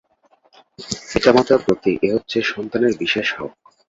পিতামাতার প্রতি এ হচ্ছে সন্তানের বিশেষ হক।